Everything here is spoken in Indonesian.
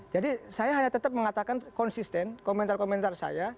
jadi saya hanya tetap mengatakan konsisten komentar komentar saya